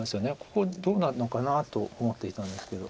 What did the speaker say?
ここどうなるのかなと思っていたんですけど。